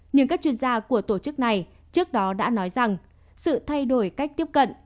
nhưng các chuyên gia của tổ chức này trước đó đã nói rằng sự thay đổi cách tiếp cận